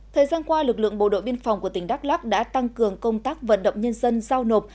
thời gian qua lực lượng bộ đội biên phòng của tỉnh đắk lắc đã tăng cường công tác vận động nhân dân giao nộp